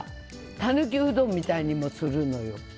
たぬきうどんみたいにもするのよ。